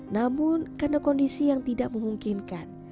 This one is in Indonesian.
namun karena kondisi yang tidak memungkinkan